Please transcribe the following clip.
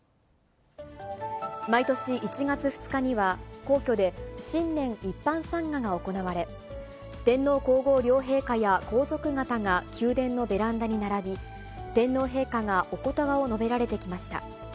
毎年１月２日には、皇居で新年一般参賀が行われ、天皇皇后両陛下や皇族方が宮殿のベランダに並び、天皇陛下がおことばを述べられてきました。